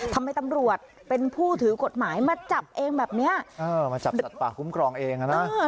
ทำไมตำรวจเป็นผู้ถือกฎหมายมาจับเองแบบเนี้ยเออมาจับสัตว์ป่าคุ้มครองเองอ่ะนะ